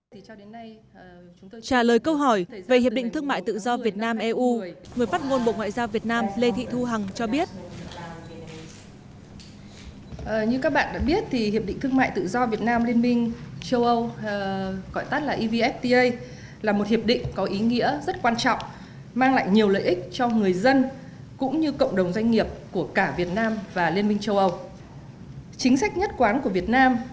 trả lời câu hỏi về hiệp định thương mại tự do việt nam eu người phát ngôn bộ ngoại giao việt nam lê thị thu hằng cho biết